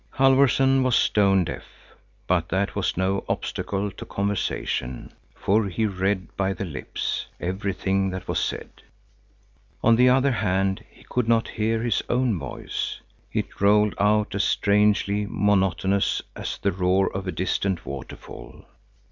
Halfvorson was stone deaf, but that was no obstacle to conversation, for he read by the lips everything that was said. On the other hand, he could not hear his own voice. It rolled out as strangely monotonous as the roar of a distant waterfall.